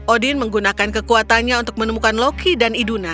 odin menggunakan kekuatannya untuk menemukan loki dan iduna